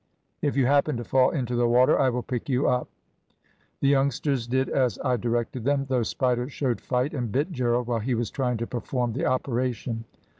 If you happen to fall into the water I will pick you up.' The youngsters did as I directed them, though Spider showed fight and bit Gerald while he was trying to perform the operation.